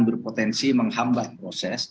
berpotensi menghambat proses